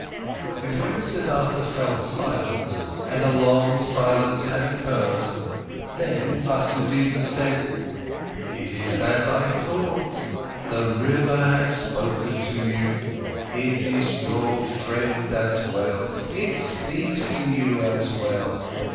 But when Siddhartha fell silent, and a long silence had occurred, then Vasudeva said: "It is as I thought. The river has spoken to you. It is your friend as well, it speaks to you as well.